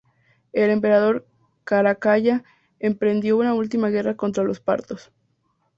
El emperador Caracalla emprendió una última guerra contra los partos.